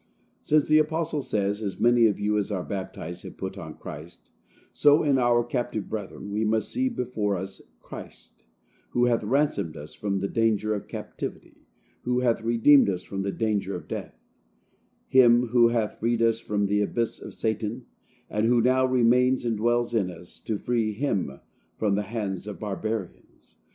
Since the apostle says "as many of you as are baptized have put on Christ," so in our captive brethren we must see before us CHRIST, who hath ransomed us from the danger of captivity, who hath redeemed us from the danger of death; Him who hath freed us from the abyss of Satan, and who now remains and dwells in us, to free Him from the hands of barbarians!